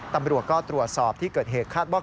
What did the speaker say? ตำรวจก็ตรวจสอบที่เกิดเหตุคาดว่า